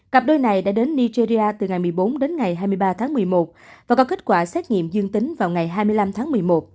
cặp đôi này đã đến nigeria từ ngày một mươi bốn đến ngày hai mươi ba tháng một mươi một và có kết quả xét nghiệm dương tính vào ngày hai mươi năm tháng một mươi một